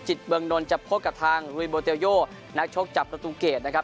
จิตเบิร์งนท์จะพบกับทางฮุยโบเตียวโย่นักชกจับประตูเกตนะครับ